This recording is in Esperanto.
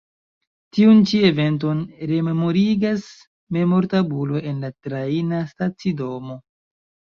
Tiun ĉi eventon rememorigas memortabulo en la trajna stacidomo.